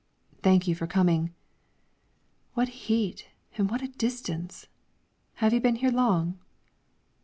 "Thank you for coming." "What heat and what a distance! Have you been here long?"